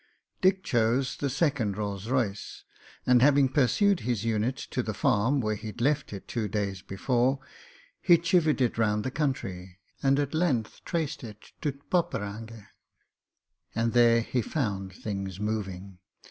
Dick chose the second Rolls Royce, and having pur sued his unit to the farm where he'd left it two days before, he chivied it round the country, and at length traced it to Poperinghe. And there he found things moving.